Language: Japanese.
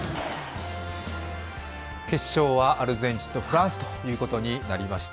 決勝はアルゼンチンとフランスということになりました。